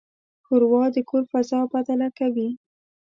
ښوروا د کور فضا بدله کوي.